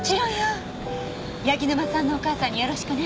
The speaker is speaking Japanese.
柳沼さんのお母さんによろしくね。